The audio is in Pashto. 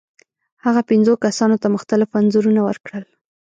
هغه پنځو کسانو ته مختلف انځورونه ورکړل.